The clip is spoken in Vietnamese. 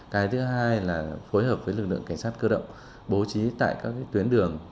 cái thứ hai là phối hợp với lực lượng cảnh sát cơ động bố trí tại các tuyến đường